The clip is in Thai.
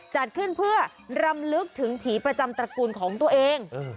จัดขึ้นเพื่อรำลึกถึงผีประจำตระกูลของตัวเอง